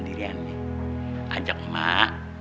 diriannya ajak emak